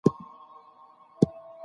کمپيوټر براوزنګ هسټري لري.